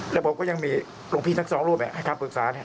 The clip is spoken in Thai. และผมยังมีลงที่นักสองรูปให้คำปรึกษา